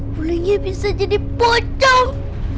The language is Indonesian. kulingnya bisa jadi potong